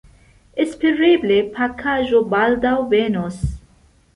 Espereble pakaĵo baldaŭ venos.